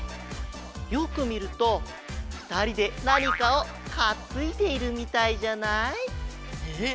よくみるとふたりでなにかをかついでいるみたいじゃない？えっ！？